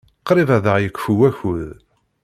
Qrib ad aɣ-yekfu wakud.